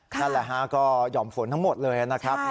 นั่นแหละฮะก็หย่อมฝนทั้งหมดเลยนะครับ